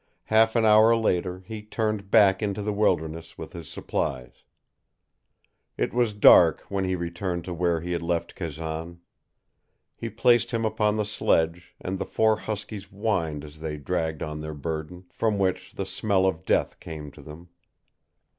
Half an hour later he turned back into the wilderness with his supplies. It was dark when he returned to where he had left Kazan. He placed him upon the sledge and the four huskies whined as they dragged on their burden, from which the smell of death came to them.